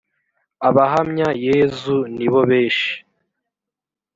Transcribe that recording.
abahamya yezu nibobeshi